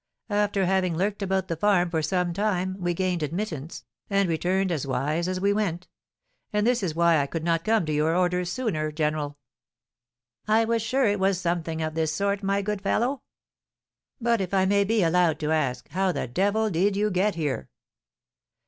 After having lurked about the farm for some time, we gained admittance, and returned as wise as we went; and this is why I could not come to your orders sooner, general." "I was sure it was something of this sort, my good fellow." "But, if I may be allowed to ask, how the devil did you get here?"